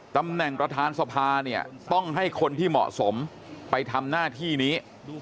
ตำแหน่งประธานสภาเนี่ยต้องให้คนที่เหมาะสมไปทำหน้าที่นี้